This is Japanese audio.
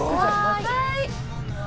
はい。